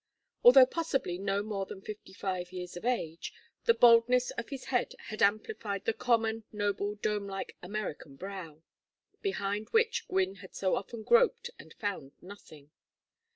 Although possibly no more than fifty five years of age, the baldness of his head had amplified the common noble domelike American brow: behind which Gwynne had so often groped and found nothing.